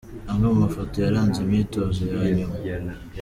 Amwe mu mafoto yaranze imyitozo ya nyuma.